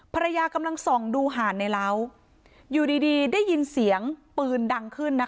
ภรรยากำลังส่องดูหาดในเหล้าอยู่ดีได้ยินเสียงปืนดังขึ้นนะคะ